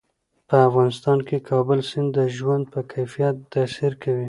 په افغانستان کې کابل سیند د ژوند په کیفیت تاثیر کوي.